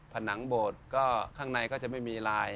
ผนังโบสถ์ก็ข้างในก็จะไม่มีลาย